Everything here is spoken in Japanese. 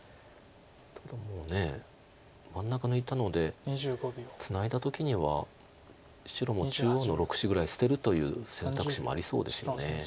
ただもう真ん中抜いたのでツナいだ時には白も中央の６子ぐらい捨てるという選択肢もありそうですよね。